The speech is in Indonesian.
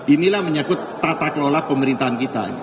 inilah menyakut tata kelola pemerintahan kita